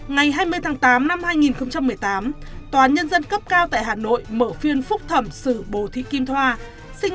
ngày hai mươi tháng tám năm hai nghìn một mươi tám tòa nhân dân cấp cao tại hà nội mở phiên phúc thẩm xử bồ thị kim thoa sinh